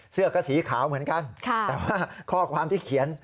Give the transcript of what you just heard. เสื้อก็สีขาวเหมือนกันแต่ว่าข้อความที่เขียน